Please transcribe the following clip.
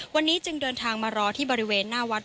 วันนี้จึงเดินทางมารอที่บริเวณหน้าวัด